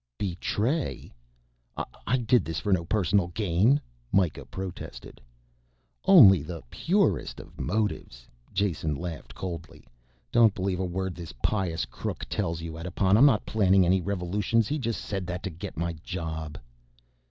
"Betray? I did this for no personal gain," Mikah protested. "Only the purest of motives," Jason laughed coldly. "Don't believe a word this pious crook tells you, Edipon. I'm not planning any revolutions, he just said that to get my job."